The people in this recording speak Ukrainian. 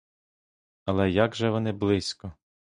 Але як же вони близько!